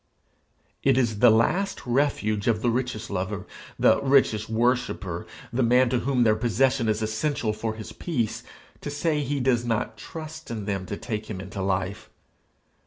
It is the last refuge of the riches lover, the riches worshipper, the man to whom their possession is essential for his peace, to say he does not trust in them to take him into life.